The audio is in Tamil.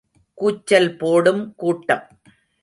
கூச்சல் போடும் கூட்டம்!